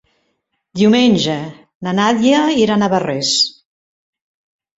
Diumenge na Nàdia irà a Navarrés.